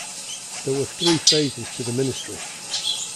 There were three phases to the ministry.